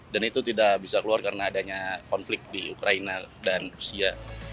itu tidak bisa keluar karena adanya konflik di ukraina dan rusia